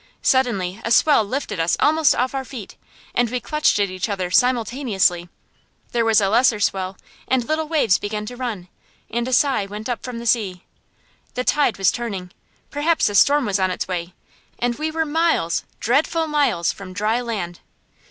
Suddenly a swell lifted us almost off our feet, and we clutched at each other simultaneously. There was a lesser swell, and little waves began to run, and a sigh went up from the sea. The tide was turning perhaps a storm was on the way and we were miles, dreadful miles from dry land.